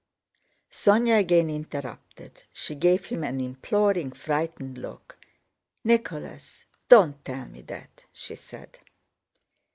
Sónya again interrupted. She gave him an imploring, frightened look. "Nicholas, don't tell me that!" she said.